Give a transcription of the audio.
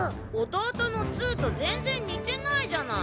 弟のツウと全然似てないじゃない。